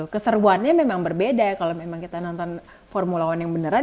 keseruannya memang berbeda kalau memang kita nonton formula one yang beneran